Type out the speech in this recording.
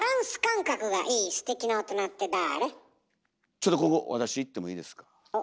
ちょっとここ私いってもいいですか？